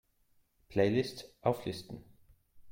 Playlists auflisten!